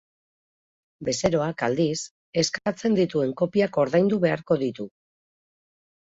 Bezeroak, aldiz, eskatzen dituen kopiak ordaindu beharko ditu.